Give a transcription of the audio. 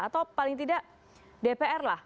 atau paling tidak dpr lah